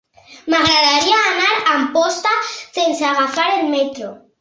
M'agradaria anar a Amposta sense agafar el metro.